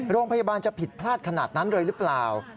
โรงพยาบาลจะผิดพลาดขนาดนั้นเลยหรือเปล่า